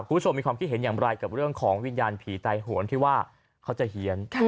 คุณผู้ชมมีความคิดเห็นอย่างไรกับเรื่องของวิญญาณผีตายโหนที่ว่าเขาจะเฮียน